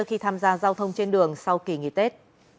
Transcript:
khi tham gia giao thông trên đường sau kỳ nghỉ tết